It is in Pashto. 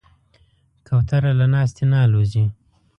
کوتره له ناستې نه الوزي.